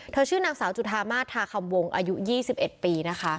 ชื่อนางสาวจุธามาศทาคำวงอายุ๒๑ปีนะคะ